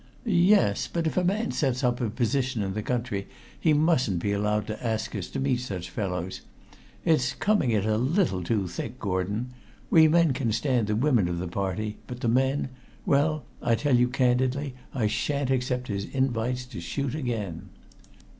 "Yes, but if a man sets up a position in the country he mustn't be allowed to ask us to meet such fellows. It's coming it a little too thick, Gordon. We men can stand the women of the party, but the men well, I tell you candidly, I shan't accept his invites to shoot again."